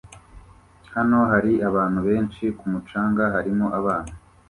Hano hari abantu benshi ku mucanga harimo abana